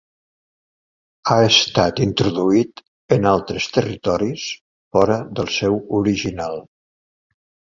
Ha estat introduït en altres territoris fora del seu original.